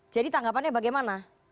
jadi tanggapannya bagaimana